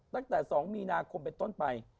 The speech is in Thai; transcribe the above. ตั้งแต่๒มีนาคมเป็นต้นไป